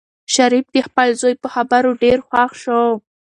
شریف د خپل زوی په خبرو ډېر خوښ شو.